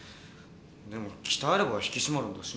でも鍛えれば引き締まるんだしな。